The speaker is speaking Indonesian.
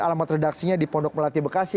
alamat redaksinya di pondok melati bekasi